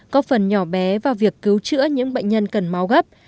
có phần nhỏ bé vào việc cứu chữa những bệnh nhân cần máu gấp